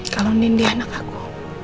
kalau nindy anak aku